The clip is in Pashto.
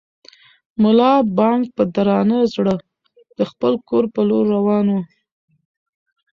ملا بانګ په درانه زړه د خپل کور په لور روان و.